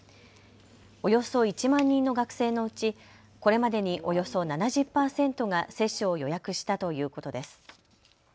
およそ１万人の学生のうちこれまでにおよそ７０％が接種を予約したということです。